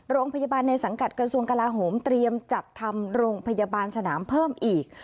โรงพยาบาลในสังกัดกระทรวงกลาโหมเตรียมจัดทำโรงพยาบาลสนามเพิ่มอีก